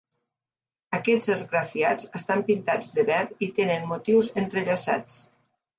Aquests esgrafiats estan pintats de verd i tenen motius entrellaçats.